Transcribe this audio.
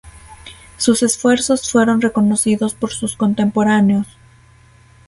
Sus esfuerzos fueron reconocidos por sus contemporáneos.